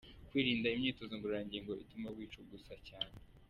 Kwirinda imyitozo ngororangingo ituma wicugusa cyane.